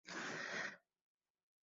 La eyaculación es de agua y esperma.